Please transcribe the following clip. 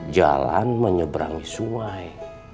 jalan menyeberangi sungai